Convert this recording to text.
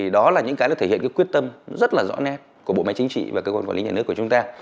đó là những cái thể hiện quyết tâm rất là rõ nét của bộ máy chính trị và cơ quan quản lý nhà nước của chúng ta